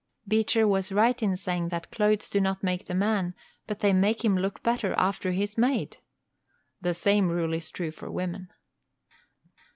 Beecher was right in saying that "clothes do not make the man, but they make him look better after he is made." The same rule is true of women.